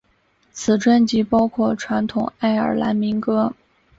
此专辑包括传统爱尔兰民歌。